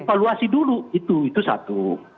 evaluasi dulu itu satu